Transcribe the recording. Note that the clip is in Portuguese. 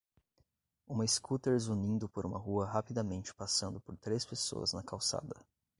Uma scooter zunindo por uma rua rapidamente passando por três pessoas na calçada.